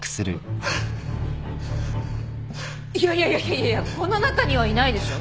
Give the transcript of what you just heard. いやいやいやこの中にはいないでしょ。